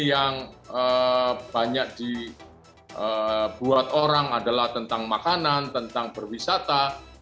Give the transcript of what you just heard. yang banyak dibuat orang adalah tentang makanan tentang perwisata